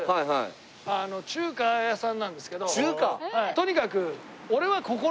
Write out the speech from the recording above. とにかく。